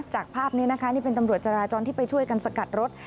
จากภาพนี้นะคะนี่เป็นตำรวจจราจรที่ไปช่วยกันสกัดรถ